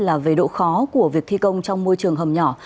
là về độ khó của việc thi công trong môi trường hầm nhỏ